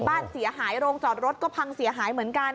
บ้านเสียหายโรงจอดรถก็พังเสียหายเหมือนกัน